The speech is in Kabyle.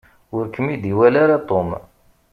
Ur kem-id-iwala ara Tom.